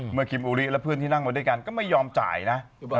คิมอุริและเพื่อนที่นั่งมาด้วยกันก็ไม่ยอมจ่ายนะ